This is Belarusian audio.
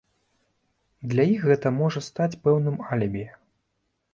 Для іх гэта можа стаць пэўным алібі.